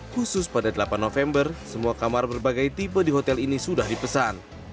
khusus pada delapan november semua kamar berbagai tipe di hotel ini sudah dipesan